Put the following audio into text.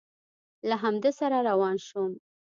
له همده سره روان شوم.